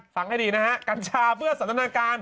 ฟังให้ดีนะฮะกัญชาเพื่อสันตนาการ